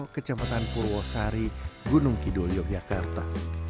kecamatan purwo sari gunung kidul yogyakarta